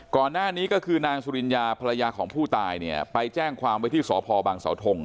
ก่อนหน้านี้ก็คือนางสุริญญาภรรยาของผู้ตายเนี่ยไปแจ้งความไว้ที่สพบังเสาทง